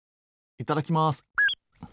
いただきます。